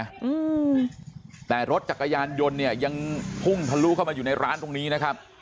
อืมแต่รถจักรยานยนต์เนี่ยยังพุ่งทะลุเข้ามาอยู่ในร้านตรงนี้นะครับ